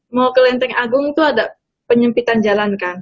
mau ke lenteng agung itu ada penyempitan jalan kan